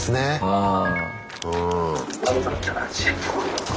うん。